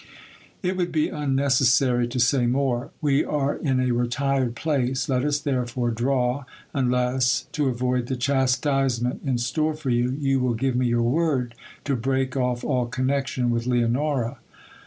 It would be unnecessary to say more. Wt are in a retired place, let us therefore draw, unless, to avoid the chastisement in store for you, you will give me your word to break off all connection with Leonora.